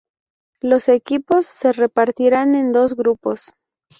Los equipos se repartirán en dos grupos.